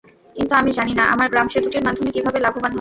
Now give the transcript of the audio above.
কিন্তু আমি জানি না, আমার গ্রাম সেতুটির মাধ্যমে কীভাবে লাভবান হবে।